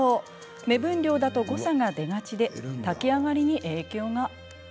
目分量だと誤差が出がちで炊き上がりに影響が。